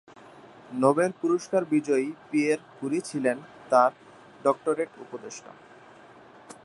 Nobel পুরস্কার বিজয়ী Pierre Curie ছিলেন তাঁর ডক্টরেট উপদেষ্টা।